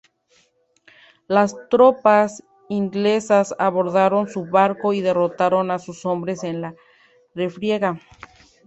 Las tropas inglesas abordaron sus barcos y derrotaron a sus hombres en la refriega.